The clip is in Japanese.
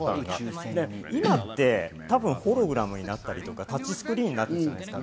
今ってホログラムになったり、タッチスクリーンになってるじゃないですか。